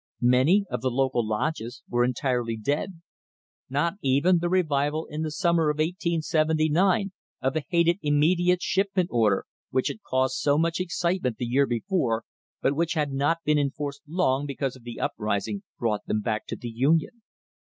Many of the local lodges were entirely dead. Not even the revival in the sum mer of 1879 of the hated immediate shipment order, which had caused so much excitement the year before, but which had not been enforced long because of the uprising, brought them back to the Union.